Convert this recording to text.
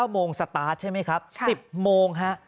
๙โมงสตาร์ทใช่ไหมครับ๑๐โมงฮะ